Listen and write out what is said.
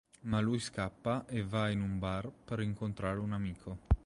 Ma lui scappa e va in un bar per incontrare un amico.